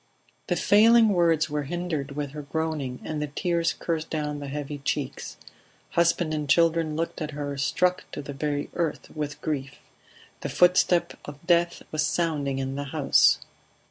The failing words were hindered with her groaning, and tears coursed down the heavy cheeks. Husband and children looked at her, struck to the very earth with grief. The footstep of death was sounding in the house.